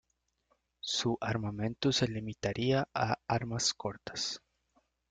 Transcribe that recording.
Su armamento se limitaría a armas cortas.